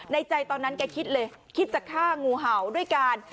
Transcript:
ในใจตอนนั้นแกคิดเลยคิดจะฆ่างูเห่าด้วยการ